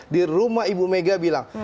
di rumah ibu mega bilang